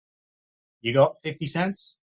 You got fifty cents?